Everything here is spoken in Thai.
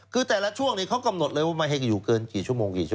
คือแต่ละช่วงนี้เขากำหนดเลยว่าไม่ให้อยู่เกินกี่ชั่วโมงกี่ชั